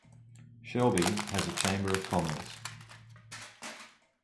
Shelby has a Chamber of Commerce.